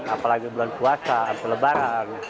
apalagi bulan puasa atau lebaran